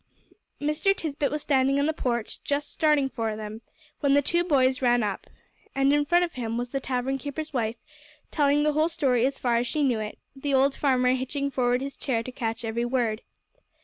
Mr. Tisbett was standing on the porch, just starting for them, when the two boys ran up. And in front of him was the tavern keeper's wife, telling the whole story as far as she knew it, the old farmer hitching forward his chair to catch every word.